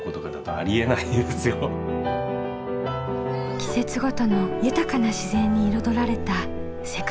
季節ごとの豊かな自然に彩られた世界遺産の麓。